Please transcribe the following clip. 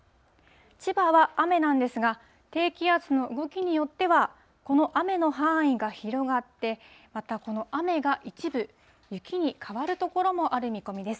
千葉は雨なんですが、低気圧の動きによっては、この雨の範囲が広がって、またこの雨が一部、雪に変わる所もある見込みです。